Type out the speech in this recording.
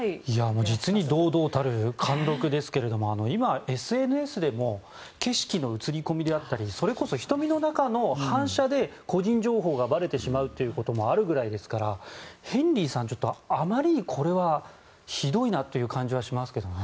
実に堂々たる貫禄ですけど今、ＳＮＳでも景色の映り込みであったりそれこそ瞳の中の反射で個人情報がばれてしまうこともあるぐらいですからヘンリーさんあまりに、これはひどいなという感じはしますけどね。